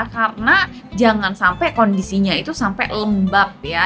karena jangan sampai kondisinya itu sampai lembab ya